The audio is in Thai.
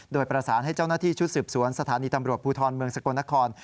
โดยประสานให้เจ้าหน้าที่ชุดสืบสวนสถานีตำรวจภูทรเมืองสกลนคร